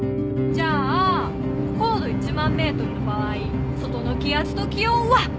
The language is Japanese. じゃあ高度１万ｍの場合外の気圧と気温は？